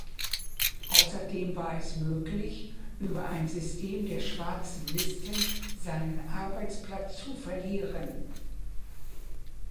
Außerdem war es möglich, über ein System der Schwarzen Listen seinen Arbeitsplatz zu verlieren.